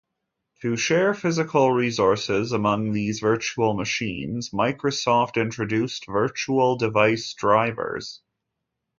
To share physical resources among these virtual machines, Microsoft introduced virtual device drivers.